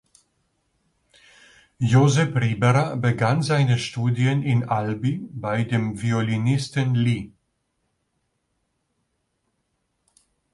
Josep Ribera begann seine Studien in Albi bei dem Violinisten Ll.